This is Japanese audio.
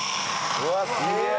うわあすげえ。